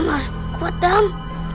ada di dalam